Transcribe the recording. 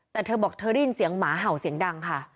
แต่เธอบอกเธอได้ยินเสียงหมาเห่าเสียงดังค่ะ